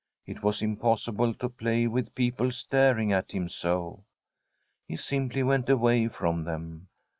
It was impossible to play with peo ple staring at him so. He simply went away from them.